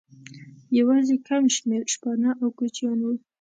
یوازې کم شمېر شپانه او کوچیان وو.